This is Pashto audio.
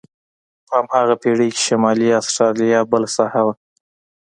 په هماغه پېړۍ کې شمالي استرالیا بله ساحه وه.